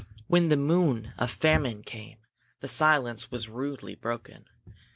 When the Moon of Famine came, the silence was rudely broken.